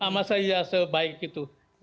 mas ahy sebaik itu